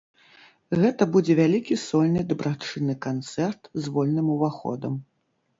Гэта будзе вялікі сольны дабрачынны канцэрт з вольным уваходам.